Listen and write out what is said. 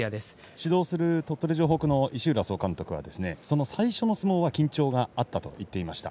指導する鳥取城北の石浦総監督は最初の相撲は緊張があったと言っていました。